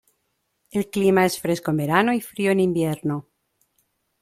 El clima es fresco en verano y frío en invierno.